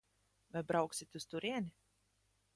Vai brauksit uz turieni?